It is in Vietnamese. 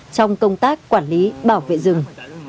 trong công tác quản lý bảo vệ rừng